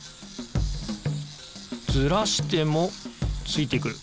ずらしてもついてくる。